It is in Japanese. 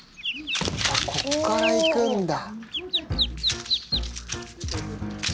あっここから行くんだ。